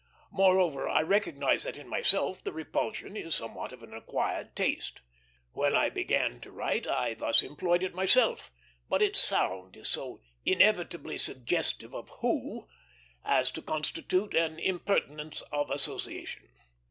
Moreover, I recognize that in myself the repulsion is somewhat of an acquired taste. When I began to write I thus employed it myself, but its sound is so inevitably suggestive of "who" as to constitute an impertinence of association.